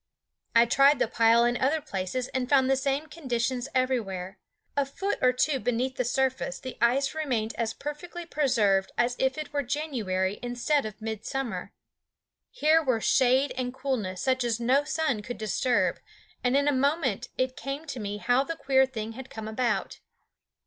I tried the pile in other places and found the same conditions everywhere. A foot or two beneath the surface the ice remained as perfectly preserved as if it were January instead of midsummer. Here were shade and coolness such as no sun could disturb, and in a moment it came to me how the queer thing had come about.